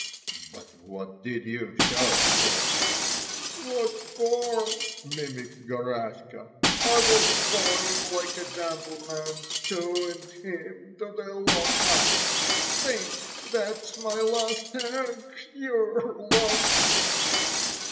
"But what did you shove for!" "What for——" mimicked Garaska. "I was going——like a gentleman to——and him to——the lock up. Think that's my last egg? Yer lump!"